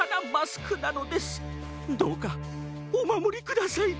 どうかおまもりください！